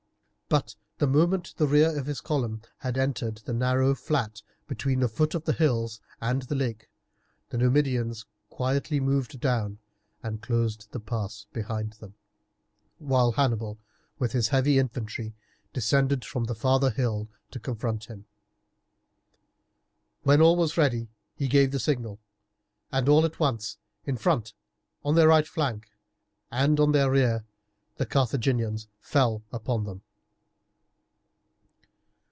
But the moment the rear of his column had entered the narrow flat between the foot of the hills and the lake, the Numidians quietly moved down and closed the pass behind them, while Hannibal with his heavy infantry descended from the farther hill to confront him. When all was ready he gave the signal, and at once in front, on their right flank, and on their rear the Carthaginians fell upon them.